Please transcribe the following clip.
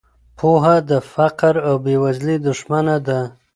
پوهه د فقر او بې وزلۍ دښمنه ده.